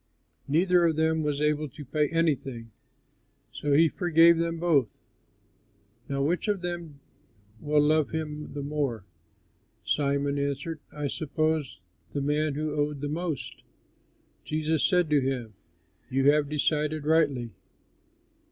Neither of them was able to pay anything; so he forgave them both. Now which of them will love him the more?" Simon answered, "I suppose the man who owed the most." Jesus said to him, "You have decided rightly."